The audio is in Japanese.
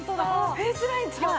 フェイスライン違う？